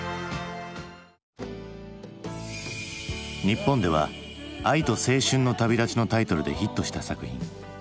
日本では「愛と青春の旅だち」のタイトルでヒットした作品。